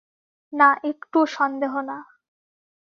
না, একটুও সন্দেহ না।